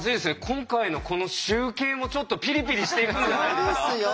今回のこの集計もちょっとピリピリしていくんじゃないですか？